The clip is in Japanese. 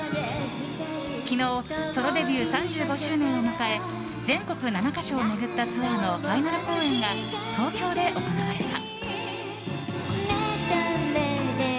昨日ソロデビュー３５周年を迎え全国７か所を巡ったツアーのファイナル公演が東京で行われた。